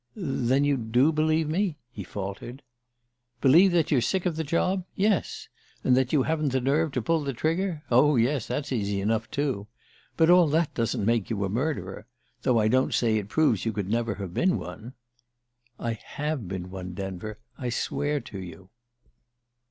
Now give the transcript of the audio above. "Then you do believe me?" he faltered. "Believe that you're sick of the job? Yes. And that you haven't the nerve to pull the trigger? Oh, yes that's easy enough, too. But all that doesn't make you a murderer though I don't say it proves you could never have been one." "I have been one, Denver I swear to you."